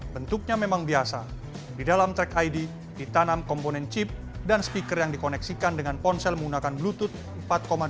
bentuknya memang biasa di dalam track id ditanam komponen chip dan speaker yang dikoneksikan dengan ponsel menggunakan bluetooth